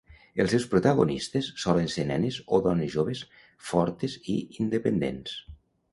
Els seus protagonistes solen ser nenes o dones joves fortes i independents.